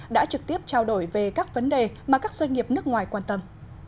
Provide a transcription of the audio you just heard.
đã trực tiếp trao đổi về các vấn đề mà các doanh nghiệp nước ngoài quan tâm